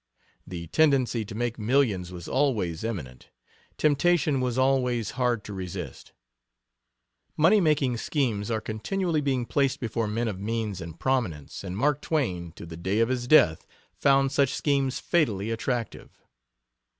The tendency to make millions was always imminent; temptation was always hard to resist. Money making schemes are continually being placed before men of means and prominence, and Mark Twain, to the day of his death, found such schemes fatally attractive.